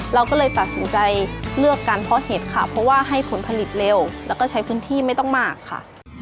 เราก็เลยตัดสินใจเลือกการเพาะเห็ดค่ะเพราะว่าให้ผลผลิตเร็วแล้วก็ใช้พื้นที่ไม่ต้องมากค่ะ